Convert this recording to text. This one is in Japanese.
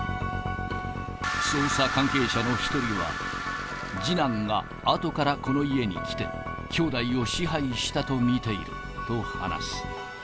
捜査関係者の１人は、次男が後からこの家に来て、きょうだいを支配したと見ていると話す。